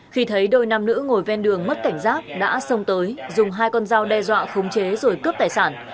khi thấy đôi nam nữ ngồi ven đường mất cảnh giác đã xông tới dùng hai con dao đe dọa khống chế rồi cướp tài sản